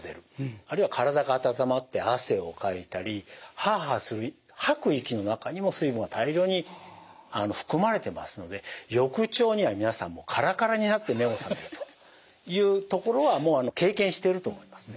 あるいは体が温まって汗をかいたりハアハア吐く息の中にも水分が大量に含まれてますので翌朝には皆さんもうカラカラになって目を覚めるというところはもう経験してると思いますね。